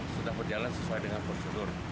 sudah berjalan sesuai dengan prosedur